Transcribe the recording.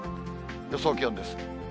予想気温です。